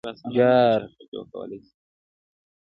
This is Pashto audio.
_جار!